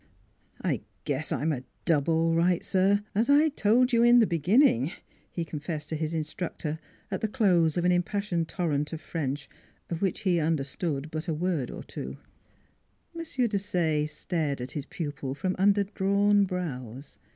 " I guess I'm a dub all right, sir, as I told you in the beginning," he confessed to his instructor at the close of an impassioned torrent of French of which he understood but a word or two. M. Desaye stared at his pupil from under drawn brows.